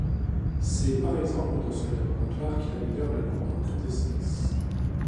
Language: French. C'est par exemple dans ce laboratoire qu'il améliore la lampe à incandescence.